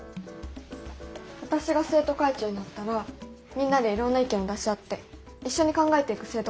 私が生徒会長になったらみんなでいろんな意見を出し合って一緒に考えていく生徒会にしたいんです。